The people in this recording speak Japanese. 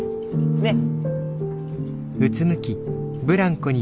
ねっ？